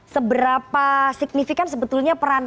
seberapa signifikan sebetulnya peran